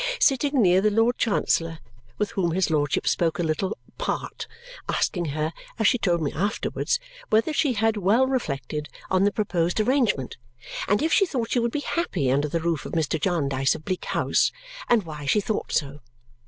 sitting near the Lord Chancellor, with whom his lordship spoke a little part, asking her, as she told me afterwards, whether she had well reflected on the proposed arrangement, and if she thought she would be happy under the roof of Mr. Jarndyce of Bleak House, and why she thought so?